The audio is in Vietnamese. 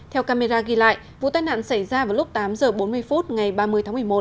theo camera ghi lại vụ tai nạn xảy ra vào lúc tám h bốn mươi phút ngày ba mươi tháng một mươi một